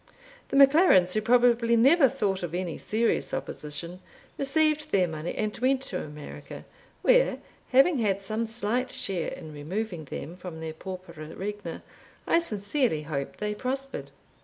The MacLarens, who probably never thought of any serious opposition, received their money and went to America, where, having had some slight share in removing them from their paupera regna, I sincerely hope they prospered.